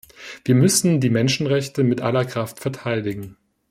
Wir müssen die Menschenrechte mit aller Kraft verteidigen.